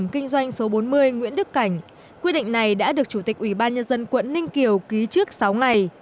kinh doanh số bốn mươi nguyễn đức cảnh quy định này đã được chủ tịch ủy ban nhân dân quận ninh kiều ký trước sáu ngày